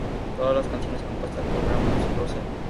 Todas las canciones compuestas por Graham Russell.